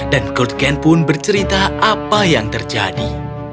dan kurgen pun bercerita apa yang terjadi